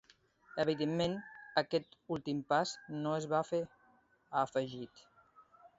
Evidentment aquest últim pas no es va fer, ha afegit.